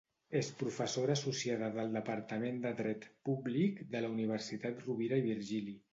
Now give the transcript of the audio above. És professora associada del departament de Dret Públic de la Universitat Rovira i Virgili.